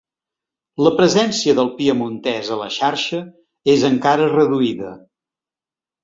La presència del piemontès a la xarxa és encara reduïda.